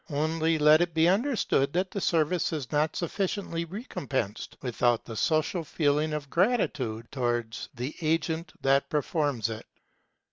Only let it be understood that the service is not sufficiently recompensed, without the social feeling of gratitude towards the agent that performs it.